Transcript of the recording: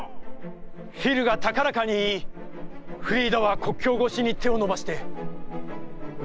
フィルが高らかに言い、フリーダは国境ごしに手を伸ばして内